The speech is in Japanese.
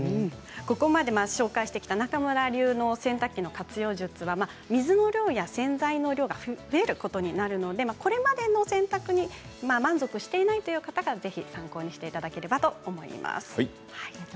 中村流の洗濯機の活用術は水の量や洗剤の量が増えることになるのでこれまでの洗濯に満足していないという方からぜひ参考にしていただければと思います。